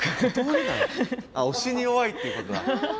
あっ押しに弱いっていうことだ。